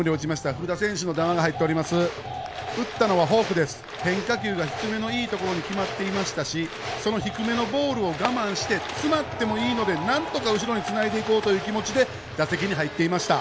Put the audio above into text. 打ったのはフォークです、変化球が低めのいいところに決まっていましたので、その低めのボールを我慢して、詰まってもいいのでなんとか後ろにつないでいこうという気持ちで打席に入っていました。